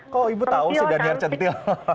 kok ibu tahu sih daniar centil